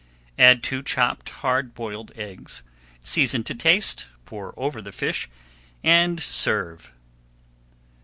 Add two chopped hard boiled eggs, season to taste, pour over the fish, and serve.